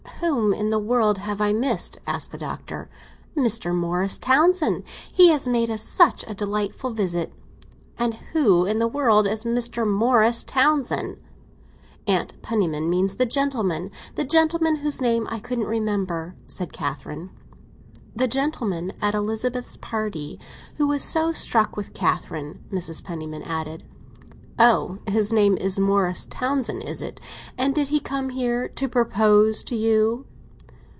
"Whom in the world have I missed?" asked the Doctor. "Mr. Morris Townsend; he has made us such a delightful visit." "And who in the world is Mr. Morris Townsend?" "Aunt Penniman means the gentleman—the gentleman whose name I couldn't remember," said Catherine. "The gentleman at Elizabeth's party who was so struck with Catherine," Mrs. Penniman added. "Oh, his name is Morris Townsend, is it? And did he come here to propose to you?"